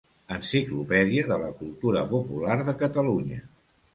Enciclopèdia de la cultura popular de Catalunya.